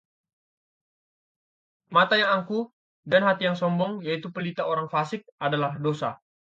Mata yang angkuh dan hati yang sombong, yaitu pelita orang fasik, adalah dosa.